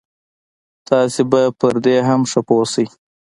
تاسې به پر دې هم ښه پوه شئ.